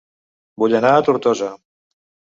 Vull anar a Tortosa